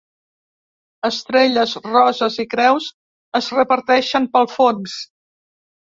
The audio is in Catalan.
Estrelles, roses i creus es reparteixen pel fons.